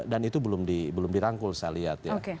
itu belum dirangkul saya lihat ya